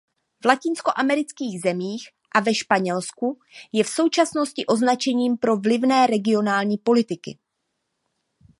V latinskoamerických zemích a ve Španělsku je v současnosti označením pro vlivné regionální politiky.